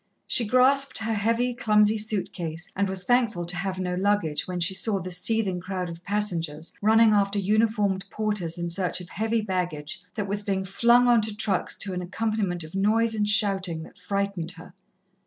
She grasped her heavy, clumsy suit case and was thankful to have no luggage, when she saw the seething crowd of passengers, running after uniformed porters in search of heavy baggage that was being flung on to trucks to an accompaniment of noise and shouting that frightened her.